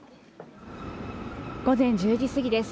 午前１０時過ぎです。